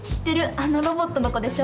あのロボットの子でしょ？